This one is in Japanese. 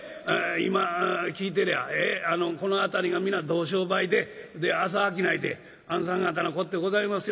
今聞いてりゃこの辺りが皆同商売で朝商いであんさん方のこってございます